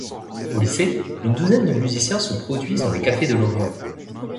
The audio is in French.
Au lycée, une douzaine de musiciens se produisent dans les cafés de Lorient.